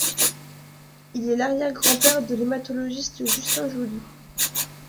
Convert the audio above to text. Il est l'arrière grand-père de l'hématologiste Justin Jolly.